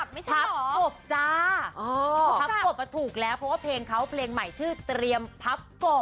พับกบก็ถูกแล้วเพราะว่าเพลงเขาเพลงใหม่ชื่อเตรียมพับก่อ